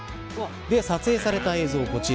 撮影された映像、こちら。